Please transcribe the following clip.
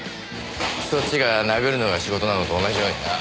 そっちが殴るのが仕事なのと同じようにな。